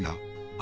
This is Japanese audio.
あ。